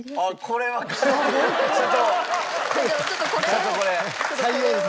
社長これ。